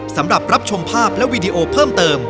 สำหรับรับชมภาพและวีดีโอเพิ่มเติม